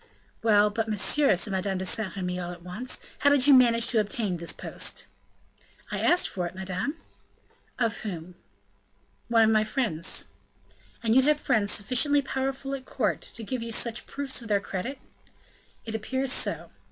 "Well, but, monsieur," said Madame de Saint Remy, all at once, "how did you manage to obtain this post?" "I asked for it, madame." "Of whom?" "One of my friends." "And you have friends sufficiently powerful at court to give you such proofs of their credit?" "It appears so."